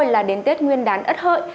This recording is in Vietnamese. là đến tết nguyên đán ất hợi